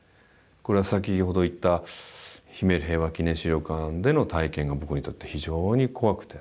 これは先ほど言ったひめゆり平和祈念資料館での体験が僕にとって非常に怖くて。